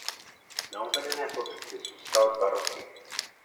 Na uvedené pozici zůstal dva roky.